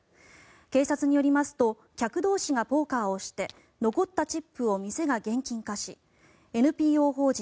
警察によりますと客同士がポーカーをして残ったチップを店が現金化しＮＰＯ法人